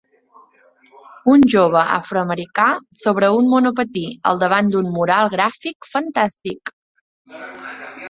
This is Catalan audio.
Un jove afroamericà sobre un monopatí al davant d'un mural gràfic fantàstic.